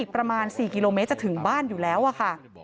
ประมาณ๔กิโลเมตรจะถึงบ้านอยู่แล้วค่ะ